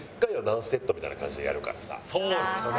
そうですよね。